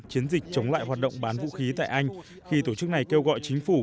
chiến dịch chống lại hoạt động bán vũ khí tại anh khi tổ chức này kêu gọi chính phủ